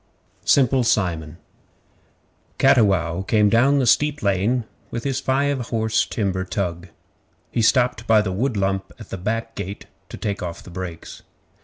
Simple Simon Cattiwow came down the steep lane with his five horse timber tug. He stopped by the wood lump at the back gate to take off the brakes.